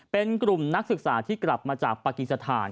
เป็นกลุ่มนักศึกษาที่กลับมาจากปากีสถาน